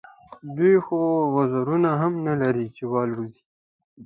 دوی خو وزرونه هم نه لري چې والوزي.